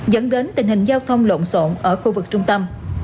dẫn đến tình hình giao thông lộn xộn ở khu vực trung tâm